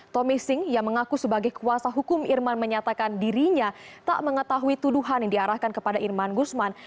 tommy sing yang mengaku sebagai kuasa hukum irman menyatakan dirinya tak mengetahui tuduhan yang diarahkan kepada irman gusman